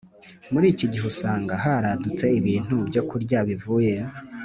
Murikigihe usanga haradutse ibintu byokurya bivuye